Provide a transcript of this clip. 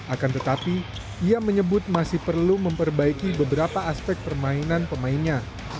akan tetapi ia menyebut masih perlu memperbaiki beberapa aspek permainan pemainnya